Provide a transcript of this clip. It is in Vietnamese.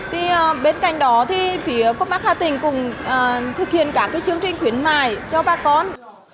thì bên cạnh đó thì phía copmark hà tĩnh cũng thực hiện cả cái chương trình khuyến mại cho bà con